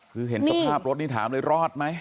คือเห็นสภาพรถนี่ถามเลยรอดไหม